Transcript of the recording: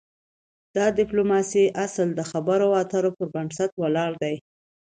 د د ډيپلوماسی اصل د خبرو اترو پر بنسټ ولاړ دی.